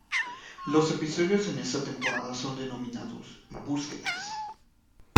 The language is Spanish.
Los episodios en esta temporada son denominados "Búsquedas"